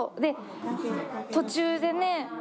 途中でね